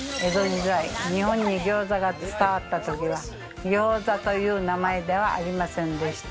日本に餃子が伝わった時は餃子という名前ではありませんでした。